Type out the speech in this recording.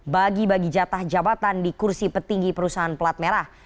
bagi bagi jatah jabatan di kursi petinggi perusahaan pelat merah